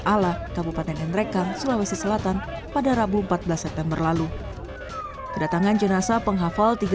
allah kabupaten ndreka sulawesi selatan pada rabu empat belas september lalu kedatangan jenazah penghafal